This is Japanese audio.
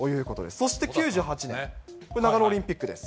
そして９８年、これ、長野オリンピックです。